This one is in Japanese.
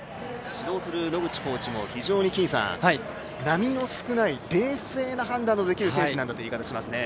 指導する野口コーチも波の少ない冷静な判断のできる選手なんだという話をしていますね。